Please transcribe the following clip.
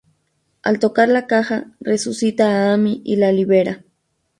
Al tocar la caja, resucita a Amy y la libera.